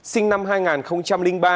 sinh năm hai nghìn ba